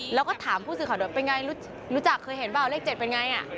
แล้วก็ถามผู้สื่อข่าวด้วยเป็นไงรู้จักเคยเห็นเปล่าเลข๗เป็นไง